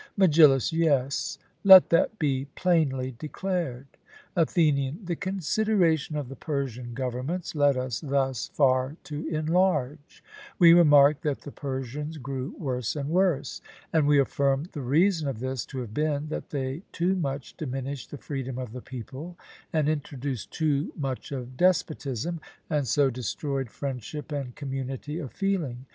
MEGILLUS: Yes; let that be plainly declared. ATHENIAN: The consideration of the Persian governments led us thus far to enlarge. We remarked that the Persians grew worse and worse. And we affirm the reason of this to have been, that they too much diminished the freedom of the people, and introduced too much of despotism, and so destroyed friendship and community of feeling.